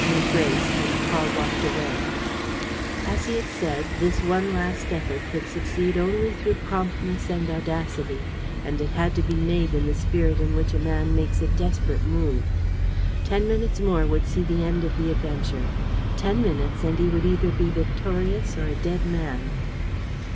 They embraced and Paul walked away. As he had said, this one last effort could succeed only through promptness and audacity; and it had to be made in the spirit in which a man makes a desperate move. Ten minutes more would see the end of the adventure. Ten minutes and he would be either victorious or a dead man.